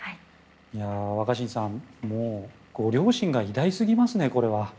若新さんもうご両親が偉大すぎますね。